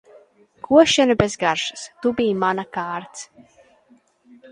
Košļene bez garšas. Tu biji mana kārts.